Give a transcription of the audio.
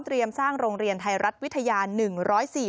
เตรียมสร้างโรงเรียนไทยรัฐวิทยาหนึ่งร้อยสี่